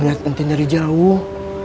lihat tintin dari jauh